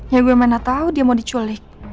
ya gue mana tahu dia mau diculik